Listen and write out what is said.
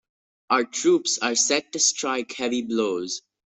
Our troops are set to strike heavy blows.